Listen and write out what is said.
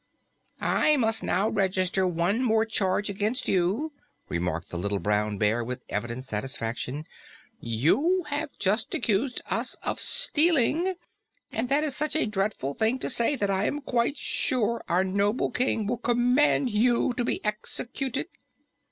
"I must now register one more charge against you," remarked the little Brown Bear with evident satisfaction. "You have just accused us of stealing, and that is such a dreadful thing to say that I am quite sure our noble King will command you to be executed."